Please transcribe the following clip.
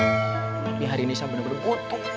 tapi hari ini saya bener bener butuh